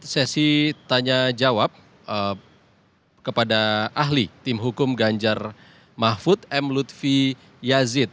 sesi tanya jawab kepada ahli tim hukum ganjar mahfud m lutfi yazid